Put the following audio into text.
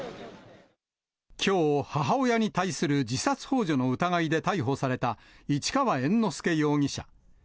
きょう、母親に対する自殺ほう助の疑いで逮捕された、市川猿之助容疑者。